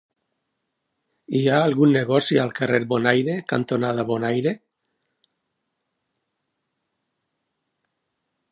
Hi ha algun negoci al carrer Bonaire cantonada Bonaire?